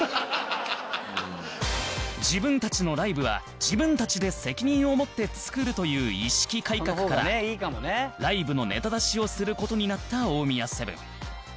自分たちのライブは自分たちで責任を持って作るという意識改革からライブのネタ出しをする事になった大宮セブン